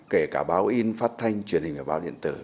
kể cả báo in phát thanh truyền hình và báo điện tử